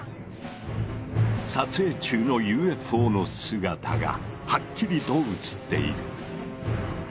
撮影中のＵＦＯの姿がはっきりと写っている。